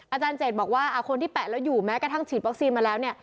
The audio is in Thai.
อาจารย์เจดบอกว่าคนที่แปะแล้วอยู่แม้กระทั่งฉีดวัคซีนมาแล้วเนี่ย